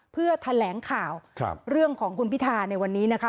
เพื่อแถลงข่าวเรื่องของคุณพิธาในวันนี้นะคะ